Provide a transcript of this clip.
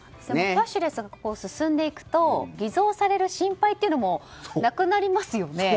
キャッシュレスが進んでいくと偽造される心配というのもなくなりますよね。